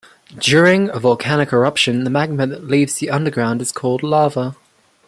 During a volcanic eruption the magma that leaves the underground is called lava.